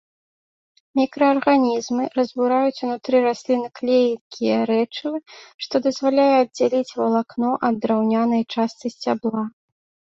Мікраарганізмы разбураюць унутры расліны клейкія рэчывы, што дазваляе аддзяліць валакно ад драўнянай частцы сцябла.